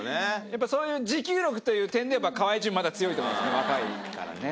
やっぱそういう持久力という点で河合チームまだ強いと思うんですよね